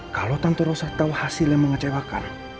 kalau tanto rosa tahu hasil yang mengecewakan